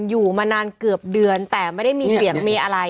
อยู่มานานเกือบเดือนแต่ไม่ได้มีเสียงมีอะไร